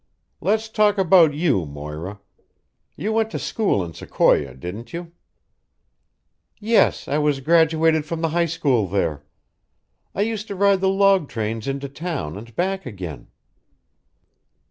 "Let's talk about you, Moira. You went to school in Sequoia, didn't you?" "Yes, I was graduated from the high school there. I used to ride the log trains into town and back again."